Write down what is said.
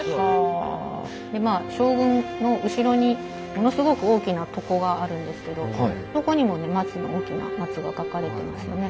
まあ将軍の後ろにものすごく大きな床があるんですけどあそこにも大きな松が描かれてますね。